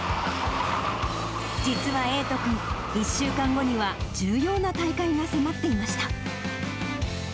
実は瑛斗君、１週間後には重要な大会が迫っていました。